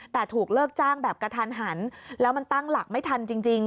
แต่ถูกเลิกจ้างแบบกระทันหันแล้วมันตั้งหลักไม่ทันจริง